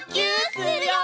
するよ！